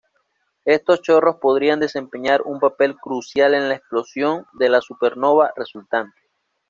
Estos chorros podrían desempeñar un papel crucial en la explosión de la supernova resultante.